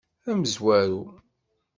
Amezwaru.